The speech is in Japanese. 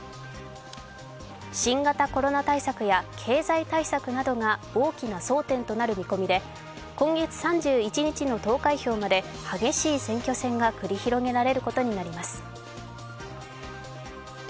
新型コロナ対策や経済対策などが大きな争点となる見込みで今月３１日の投開票まで激しい選挙戦が繰り広げられることになります。